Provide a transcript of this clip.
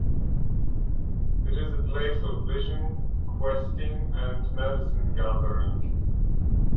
It is a place of vision questing and medicine gathering.